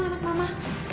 mulai lah anak mama